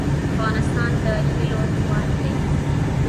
افغانستان د هیلو هیواد دی